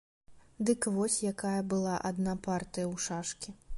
Дык вось якая была адна партыя ў шашкі.